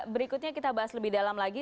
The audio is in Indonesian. berikutnya kita bahas lebih dalam lagi